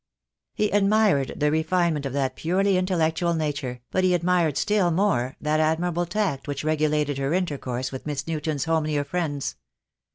He admired the refinement of that purely intellectual nature, but he admired still more that admirable tact which regulated her intercourse with Miss Newton's homelier friends.